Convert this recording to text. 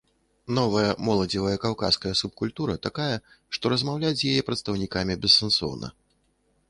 Новая моладзевая каўказская субкультура такая, што размаўляць з яе прадстаўнікамі бессэнсоўна.